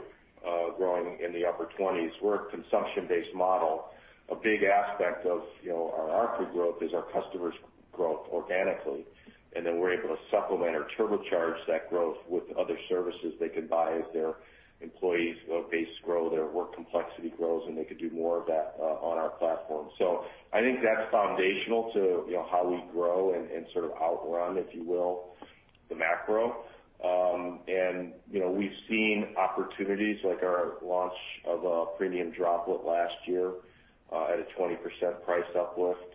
growing in the upper 20s%. We're a consumption-based model. A big aspect of, you know, our ARPU growth is our customers' growth organically, and then we're able to supplement or turbocharge that growth with other services they can buy as their employee base grows, their work complexity grows, and they could do more of that on our platform. I think that's foundational to, you know, how we grow and sort of outrun, if you will, the macro. You know, we've seen opportunities like our launch of a Premium Droplet last year, at a 20% price uplift,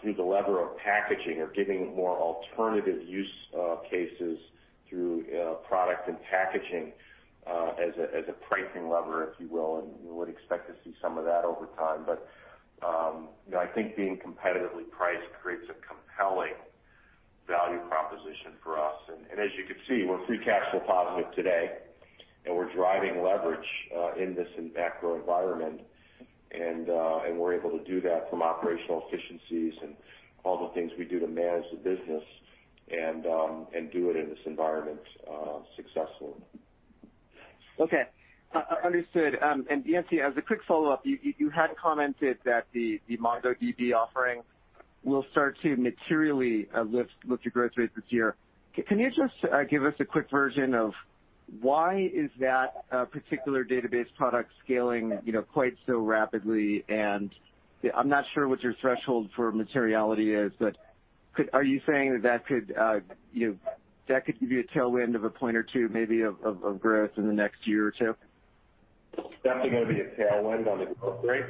through the lever of packaging or giving more alternative use cases through product and packaging, as a pricing lever, if you will. You would expect to see some of that over time. You know, I think being competitively priced creates a compelling value proposition for us. As you can see, we're free cash flow positive today, and we're driving leverage in this macro environment. We're able to do that from operational efficiencies and all the things we do to manage the business and do it in this environment successfully. Okay. Understood. Yancey, as a quick follow-up, you had commented that the MongoDB offering will start to materially lift your growth rate this year. Can you just give us a quick version of why that particular database product is scaling, you know, quite so rapidly? I'm not sure what your threshold for materiality is, but are you saying that could give you a tailwind of a point or two maybe of growth in the next year or two? It's definitely going to be a tailwind on the growth rate.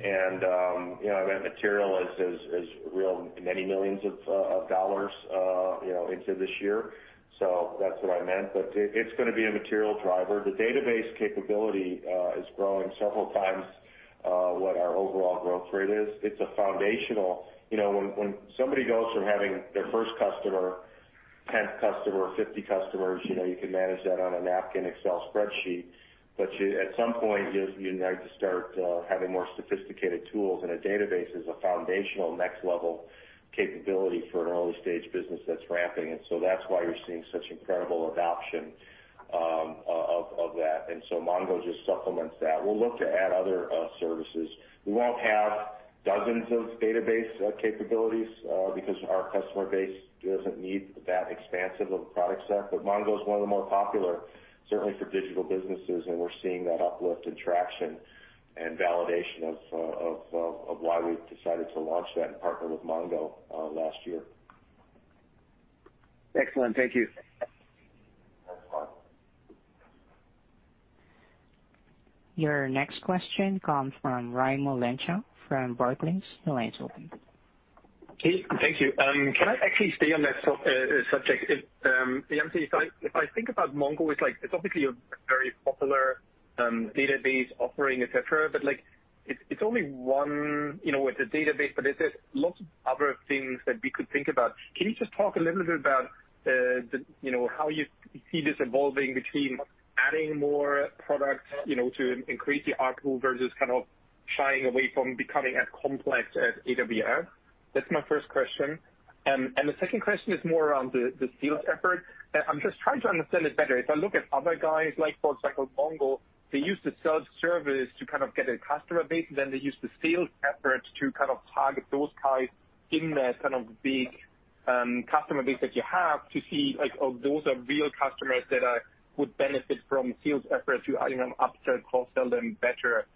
That material is real many millions of dollars into this year. That's what I meant. It's gonna be a material driver. The database capability is growing several times what our overall growth rate is. It's a foundational. When somebody goes from having their first customer, 10th customer, 50 customers, you can manage that on a napkin Excel spreadsheet. At some point, you now have to start having more sophisticated tools, and a database is a foundational next level capability for an early-stage business that's ramping. That's why you're seeing such incredible adoption of that. Mongo just supplements that. We'll look to add other services. We won't have dozens of database capabilities because our customer base doesn't need that expansive of a product set. Mongo is one of the more popular, certainly for digital businesses, and we're seeing that uplift and traction and validation of why we decided to launch that and partner with Mongo last year. Excellent. Thank you. Thanks, Mark. Your next question comes from Raimo Lenschow from Barclays. Your line is open. Okay, thank you. Can I actually stay on that subject? If Yancey, if I think about Mongo, it's like it's obviously a very popular database offering, et cetera, but like, it's only one, you know, with the database, but there's lots of other things that we could think about. Can you just talk a little bit about the you know how you see this evolving between adding more products, you know, to increase the ARPU versus kind of shying away from becoming as complex as AWS? That's my first question. The second question is more around the sales effort. I'm just trying to understand it better. If I look at other guys like, for example, Mongo, they use the self-service to kind of get a customer base, and then they use the sales efforts to kind of target those guys in the kind of big customer base that you have to see, like, those are real customers that would benefit from sales efforts to, I don't know, upsell, cross-sell them better.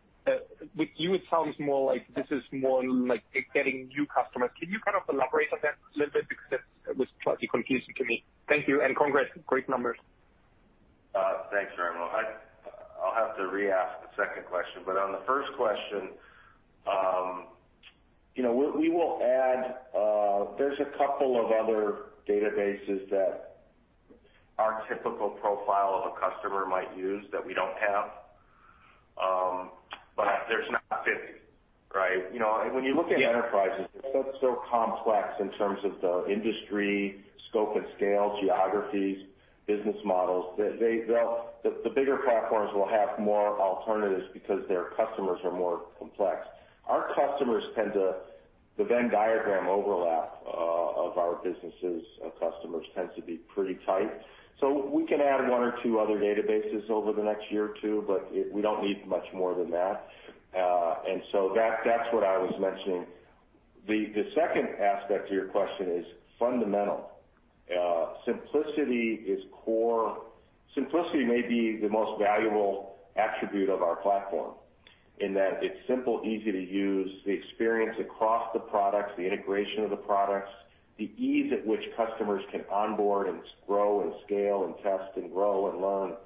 With you, it sounds more like this is more like getting new customers. Can you kind of elaborate on that a little bit because it was slightly confusing to me. Thank you, and congrats. Great numbers. Thanks, Raimo. I'll have to re-ask the second question. On the first question, you know, we will add, there's a couple of other databases that our typical profile of a customer might use that we don't have. There's not 50, right? You know, when you look at enterprises, it's so complex in terms of the industry, scope and scale, geographies, business models, that they'll. The bigger platforms will have more alternatives because their customers are more complex. Our customers tend to the Venn diagram overlap of our businesses, customers tends to be pretty tight. We can add one or two other databases over the next year or two, but we don't need much more than that. That, that's what I was mentioning. The second aspect to your question is fundamental. Simplicity is core. Simplicity may be the most valuable attribute of our platform in that it's simple, easy to use, the experience across the products, the integration of the products, the ease at which customers can onboard and grow and scale and test and grow and learn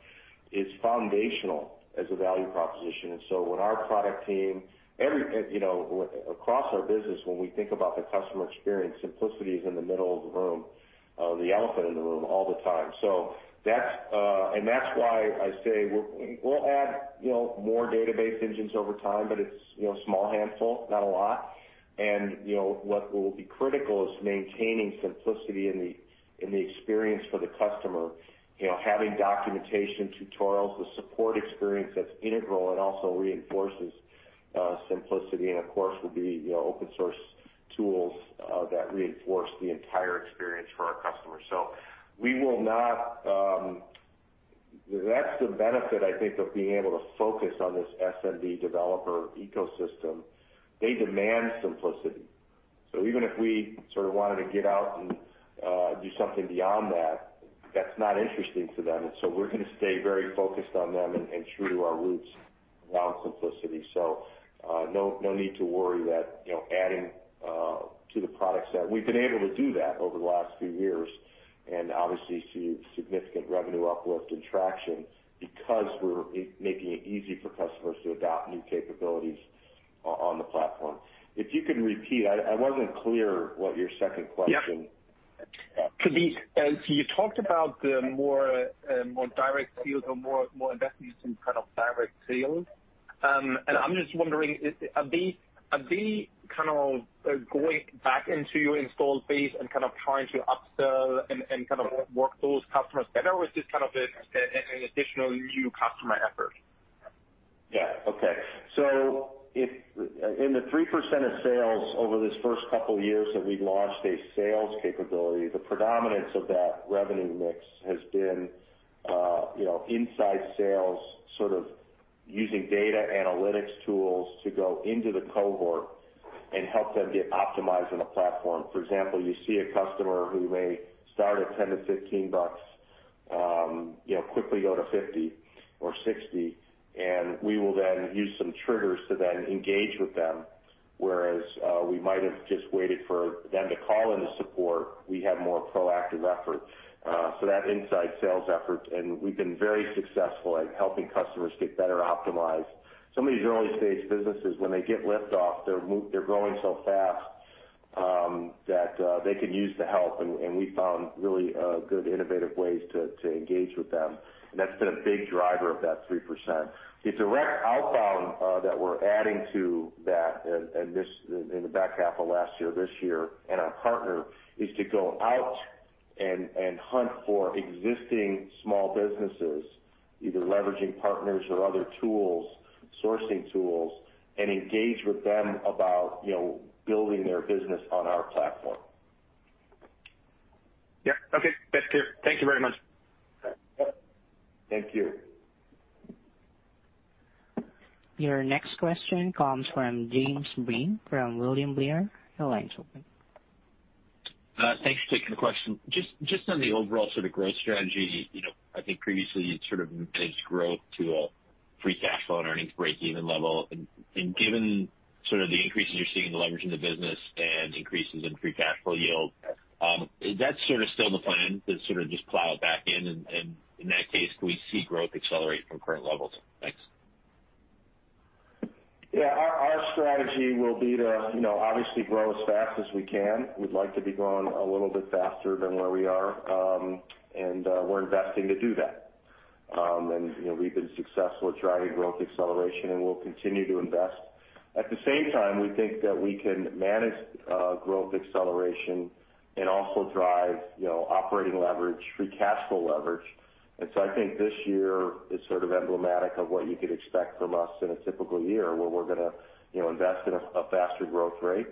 is foundational as a value proposition. When our product team, every, you know, across our business, when we think about the customer experience, simplicity is in the middle of the room, the elephant in the room all the time. That's, and that's why I say we'll add, you know, more database engines over time, but it's, you know, a small handful, not a lot. You know, what will be critical is maintaining simplicity in the experience for the customer. You know, having documentation, tutorials, the support experience that's integral and also reinforces simplicity and of course will be, you know, open source tools that reinforce the entire experience for our customers. That's the benefit, I think, of being able to focus on this SMB developer ecosystem. They demand simplicity. Even if we sort of wanted to get out and do something beyond that's not interesting to them. We're gonna stay very focused on them and true to our roots around simplicity. No need to worry that, you know, adding to the products that we've been able to do that over the last few years, and obviously see significant revenue uplift and traction because we're making it easy for customers to adopt new capabilities on the platform. If you can repeat, I wasn't clear what your second question Yeah. Could be. You talked about the more direct deals or more investments in kind of direct sales. I'm just wondering, are they kind of going back into your installed base and kind of trying to upsell and kind of work those customers better, or is this kind of an additional new customer effort? Yeah. Okay. In the 3% of sales over this first couple of years that we've launched a sales capability, the predominance of that revenue mix has been, you know, inside sales sort of using data analytics tools to go into the cohort and help them get optimized on the platform. For example, you see a customer who may start at $10-$15, you know, quickly go to $50 or $60, and we will then use some triggers to then engage with them. Whereas, we might have just waited for them to call into support, we have more proactive effort, so that inside sales effort, and we've been very successful at helping customers get better optimized. Some of these early-stage businesses, when they get lift off, they're growing so fast, that they could use the help. We found really good innovative ways to engage with them. That's been a big driver of that 3%. The direct outbound that we're adding to that in the back half of last year, this year, and our partner is to go out and hunt for existing small businesses, either leveraging partners or other tools, sourcing tools, and engage with them about, you know, building their business on our platform. Yeah. Okay. That's clear. Thank you very much. Yep. Thank you. Your next question comes from Jim Breen from William Blair. Your line's open. Thanks. Taking the question. Just on the overall sort of growth strategy. You know, I think previously you'd sort of linked growth to a free cash flow and earnings breakeven level. Given sort of the increases you're seeing in the leverage in the business and increases in free cash flow yield, is that sort of still the plan to sort of just plow it back in? In that case, could we see growth accelerate from current levels? Thanks. Yeah. Our strategy will be to, you know, obviously grow as fast as we can. We'd like to be growing a little bit faster than where we are, and we're investing to do that. You know, we've been successful at driving growth acceleration, and we'll continue to invest. At the same time, we think that we can manage growth acceleration and also drive, you know, operating leverage, free cash flow leverage. I think this year is sort of emblematic of what you could expect from us in a typical year, where we're gonna, you know, invest in a faster growth rate,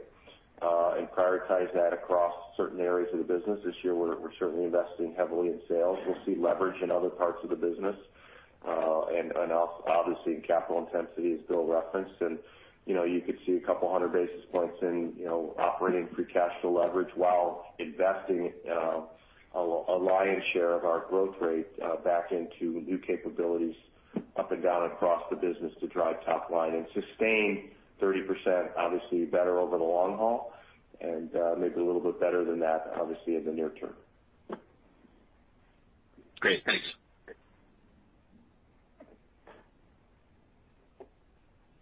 and prioritize that across certain areas of the business. This year, we're certainly investing heavily in sales. We'll see leverage in other parts of the business, and obviously in capital intensity as Bill referenced. You know, you could see a couple hundred basis points in, you know, operating free cash flow leverage while investing a lion's share of our growth rate back into new capabilities up and down across the business to drive top line and sustain 30% obviously better over the long haul and maybe a little bit better than that obviously in the near term. Great. Thanks.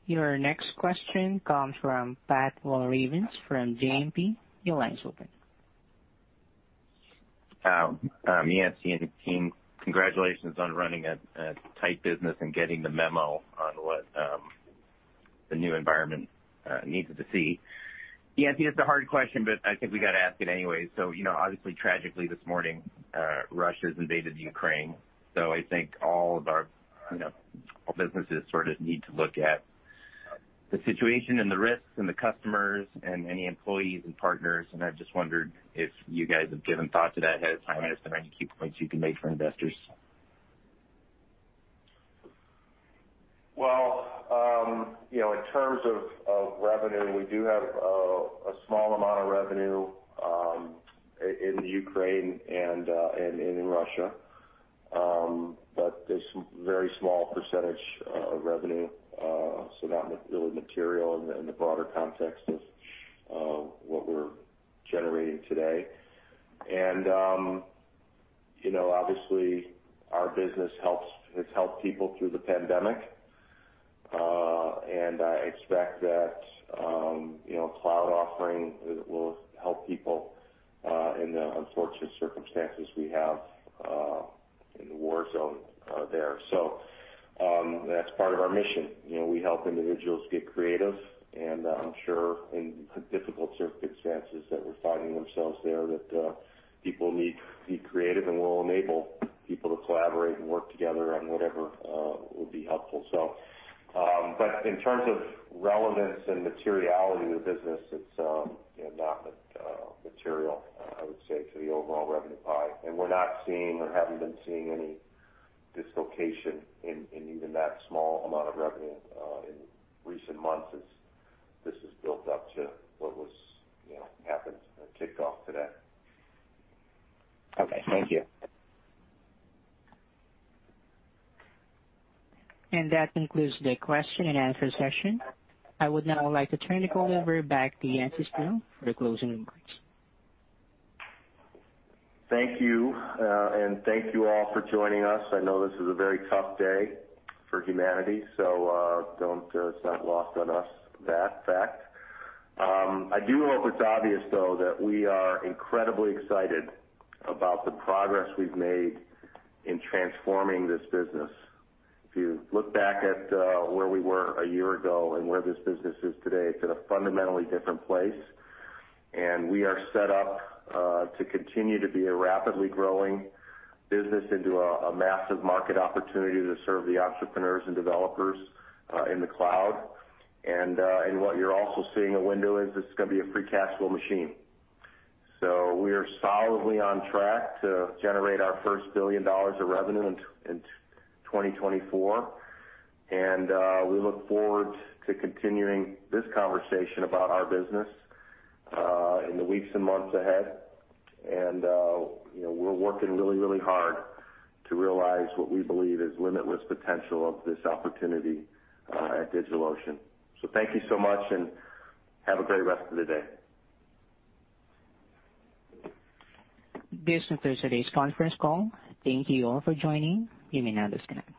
Your next question comes from Pat Walravens from JMP. Your line's open. Yancey and team, congratulations on running a tight business and getting the memo on what the new environment needed to see. Yancey, this is a hard question, but I think we gotta ask it anyway. You know, obviously tragically this morning, Russia's invaded Ukraine. I think all of our, you know, all businesses sort of need to look at the situation and the risks and the customers and any employees and partners. I just wondered if you guys have given thought to that ahead of time, and if there are any key points you can make for investors. Well, you know, in terms of revenue, we do have a small amount of revenue in Ukraine and in Russia. But it's very small percentage of revenue, so not really material in the broader context of what we're generating today. Obviously our business has helped people through the pandemic. I expect that cloud offering will help people in the unfortunate circumstances we have in the war zone there. That's part of our mission. You know, we help individuals get creative, and I'm sure in difficult circumstances that they're finding themselves there, that people need to be creative, and we'll enable people to collaborate and work together on whatever would be helpful. In terms of relevance and materiality to the business, it's, you know, not material, I would say to the overall revenue pie. We're not seeing or haven't been seeing any dislocation in even that small amount of revenue in recent months as this has built up to what was, you know, happened and kicked off today. Okay. Thank you. That concludes the question and answer session. I would now like to turn the call over back to Yancey Spruill for the closing remarks. Thank you, and thank you all for joining us. I know this is a very tough day for humanity, so it's not lost on us that fact. I do hope it's obvious, though, that we are incredibly excited about the progress we've made in transforming this business. If you look back at where we were a year ago and where this business is today, it's in a fundamentally different place. We are set up to continue to be a rapidly growing business into a massive market opportunity to serve the entrepreneurs and developers in the cloud. What you're also seeing is a window into this is gonna be a free cash flow machine. We are solidly on track to generate our first $1 billion of revenue in 2024. We look forward to continuing this conversation about our business in the weeks and months ahead. You know, we're working really, really hard to realize what we believe is limitless potential of this opportunity at DigitalOcean. Thank you so much and have a great rest of the day. This concludes today's conference call. Thank you all for joining. You may now disconnect.